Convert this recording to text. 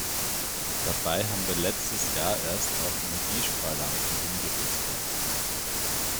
Dabei haben wir letztes Jahr erst auf Energiesparlampen umgerüstet.